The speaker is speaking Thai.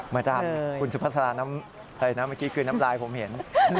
มาตามคุณสุภาษาน้ำอะไรนะเมื่อกี้คือน้ำลายผมเห็น